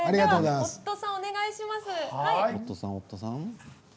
オットさん、お願いします。